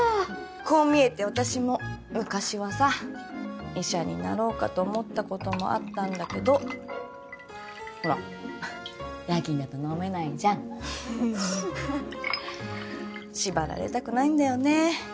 こう見えて私も昔はさ医者になろうかと思ったこともあったんだけどほら夜勤だと飲めないじゃん縛られたくないんだよね